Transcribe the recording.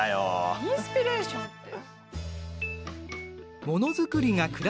インスピレーションって。